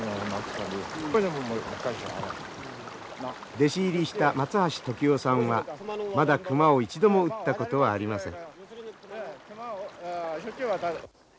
弟子入りした松橋時男さんはまだ熊を一度も撃ったことはありません。